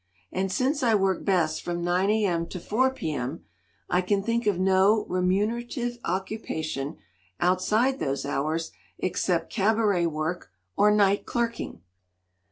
And since I work best from 9 A.M. to 4 P.M., I can think of no remunerative occupation outside those hours except cabaret work or night clerking."